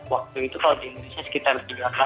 waktu itu kalau di indonesia sekitar dua belas jam ya